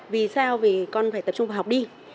vì sao vì con phải tập trung vào học đi